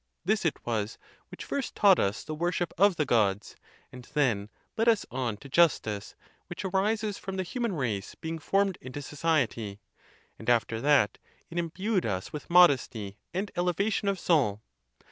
This it was which first taught us the worship of the Gods; and then led us on to justice, which arises from the human race being formed into society; and after that ON THE CONTEMPT OF DEATH. 37 it imbued us with modesty and elevation of soul.